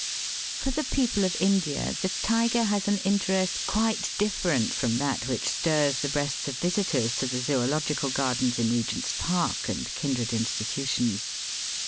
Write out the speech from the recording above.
For the people of India the tiger has an interest quite different from that which stirs the breasts of visitors to the Zoological Gardens in Eegent's Park and kindred institutions.